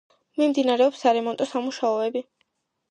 მიმდინარეობს სარემონტო სამუშაოები.